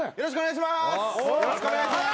よろしくお願いします。